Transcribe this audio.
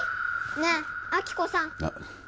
ねえ亜希子さん